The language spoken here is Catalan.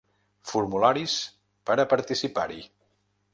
Formularis per a participar-hi.